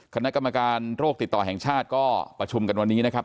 คณะกรรมการโรคติดต่อแห่งชาติก็ประชุมกันวันนี้นะครับ